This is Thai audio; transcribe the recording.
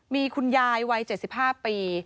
มีคุณยายวัย๗๕ปี